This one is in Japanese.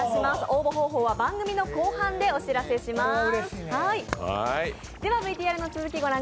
応募方法は番組の後半でお知らせします。